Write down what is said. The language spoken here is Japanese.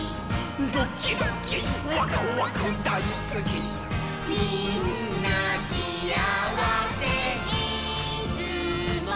「ドキドキワクワクだいすき」「みんなしあわせ」「いつも」